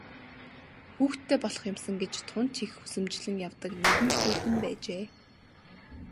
Хүүхэдтэй болох юмсан гэж тун ч их хүсэмжлэн явдаг нэгэн хүүхэн байжээ.